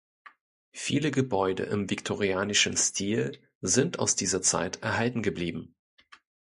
Viele Gebäude im viktorianischen Stil sind aus dieser Zeit erhalten geblieben.